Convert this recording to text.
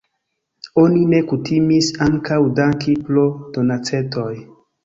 Oni ne kutimis ankaŭ danki pro donacetoj.